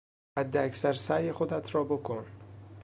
حداکثر سعی خودت را بکن!